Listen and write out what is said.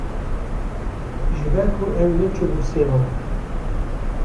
Ji ber ku ew neçûbû sêvan